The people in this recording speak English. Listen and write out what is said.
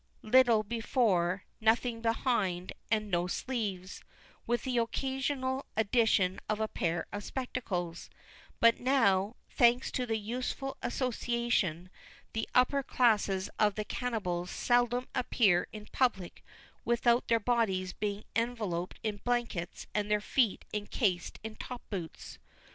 little before, nothing behind, and no sleeves, with the occasional addition of a pair of spectacles; but now, thanks to this useful association, the upper classes of the cannibals seldom appear in public without their bodies being enveloped in blankets and their feet encased in top boots.